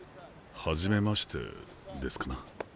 初めましてですかな？